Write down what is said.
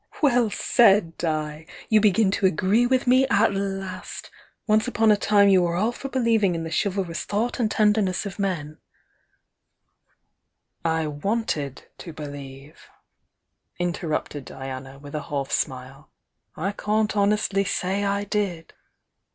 "Well said, Di! \ u begin to agree with me at last! Once upon a time you were all for believing in tiie chivalrous thought and tenderness of men " THE YOUNG DIANA 88 "I wanted to believe," interrupted Diana, with a half smile— "I can't honestly say I did!"